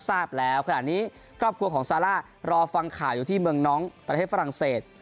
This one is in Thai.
ทราบแล้วขณะนี้ครอบครัวของซาร่ารอฟังข่าวอยู่ที่เมืองน้องประเทศฝรั่งเศส